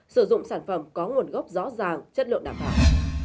sử dụng sản phẩm có nguồn gốc rõ ràng chất lượng đảm bảo